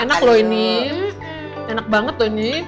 enak loh ini enak banget loh ini